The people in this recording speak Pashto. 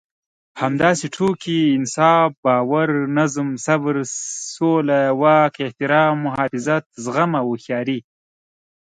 همداسې ټوکې، انصاف، باور، نظم، صبر، سوله، واک، احترام، محافظت، زغم او هوښياري.